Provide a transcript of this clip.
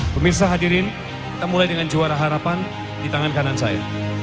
pemirsa hadirin kita mulai dengan juara harapan di tangan kanan saya